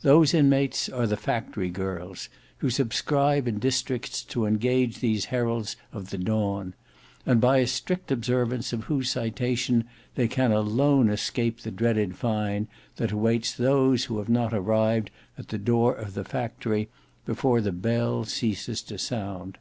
Those inmates are the factory girls, who subscribe in districts to engage these heralds of the dawn; and by a strict observance of whose citation they can alone escape the dreaded fine that awaits those who have not arrived at the door of the factory before the bell ceases to sound.